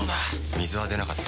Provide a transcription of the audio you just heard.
水は出なかった。